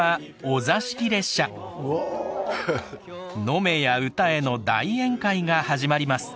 飲めや歌えの大宴会が始まります。